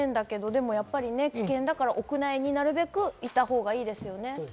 でもやっぱり危険だから屋内になるべく行ったほうがいいですよね。